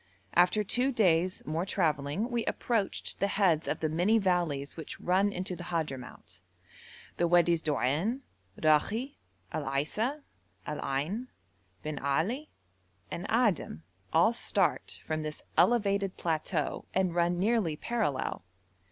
After two days more travelling we approached the heads of the many valleys which run into the Hadhramout; the Wadis Doan, Rakhi, Al Aisa, Al Ain, Bin Ali, and Adim all start from this elevated plateau and run nearly parallel.